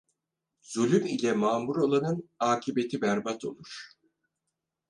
Zulüm ile mâmur olanın akıbeti berbat olur.